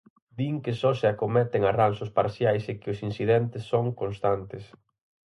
Din que só se acometen arranxos parciais e que os incidentes son constantes.